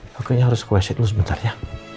pokoknya harus question lu sebentar ya